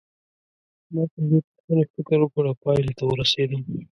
ما پر دې پوښتنې فکر وکړ او پایلې ته ورسېدم.